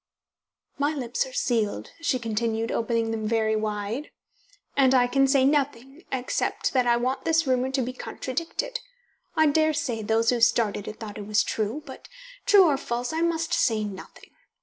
"My lips are sealed," she continued, opening them very wide, "and I can say nothing, except that I want this rumour to be contradicted. I daresay those who started it thought it was true, but, true or false, I must say nothing.